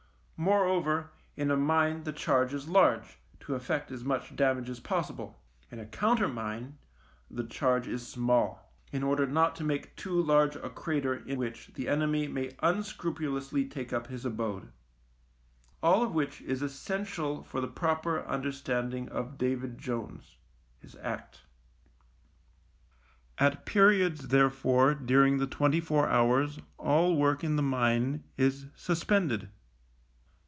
Moreover, in a mine the charge is large, to effect as much damage as possible ; in a countermine the charge is small, in order not to make too large a crater in which the enemy may unscrupulously take up his abode. All of which is essential for the proper understanding of David Jones —his act. At periods, therefore, during the twenty four hours all work in the mine is suspended.